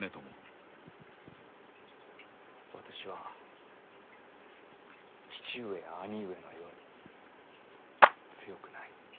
私は父上や兄上のように強くない。